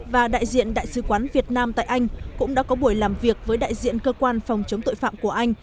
và đại diện đại sứ quán việt nam tại anh cũng đã có buổi làm việc với đại diện cơ quan phòng chống tội phạm của anh